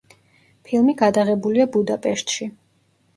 ფილმი გადაღებულია ბუდაპეშტში.